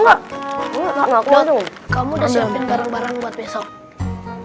kamu udah siapin barang barang buat besok